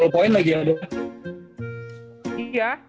tiga puluh poin lagi ya